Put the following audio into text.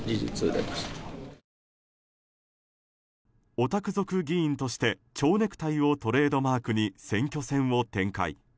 オタク族議員として蝶ネクタイをトレードマークに選挙戦を展開。